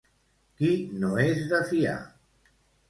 Qui no és de fiar?